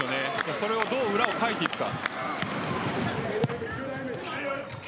それをどう裏をかいていくか。